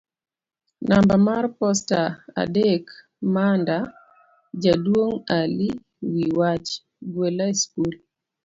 namba mar posta adek Manda jaduong' Ali wi wach; gwela e skul